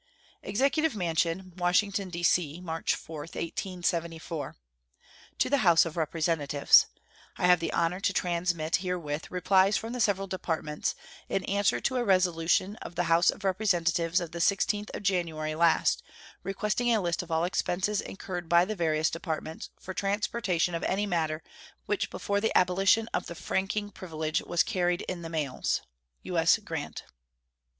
EXECUTIVE MANSION, Washington, D.C., March 4, 1874. To the House of Representatives: I have the honor to transmit herewith replies from the several Departments, in answer to a resolution of the House of Representatives of the 16th of January last, requesting a list of all expenses incurred by the various Departments for transportation of any matter which before the abolition of the franking privilege was carried in the mails. U.S. GRANT.